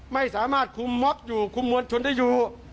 ไม่สามารถคุมมอบอยู่คุมมวลชนได้อยู่